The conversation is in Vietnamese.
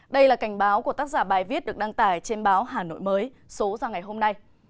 đây là cảnh báo của tác giả bài viết được đăng tải trên báo hà nội mới số ra ngày hôm nay